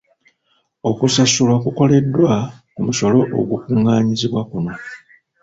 Okusasulwa kukoleddwa ku musolo ogukungaanyizibwa kuno.